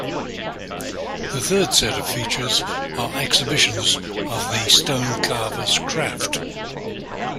The third set of features are exhibitions of the stone carver's craft.